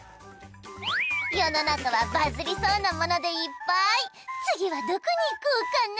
世の中はバズりそうなものでいっぱい次はどこに行こうかな